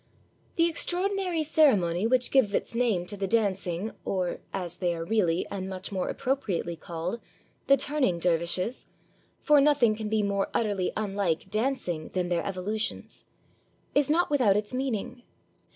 The extraordinary ceremony which gives its name to the dancing, or, as they are really and much more ap propriately called, the turning dervishes, — for nothing can be more utterly unlike dancing than their evolu tions, — is not without its meaning.